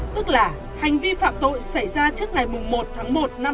tức là hành vi phạm tội xảy ra trước ngày một tháng một năm hai nghìn một mươi tám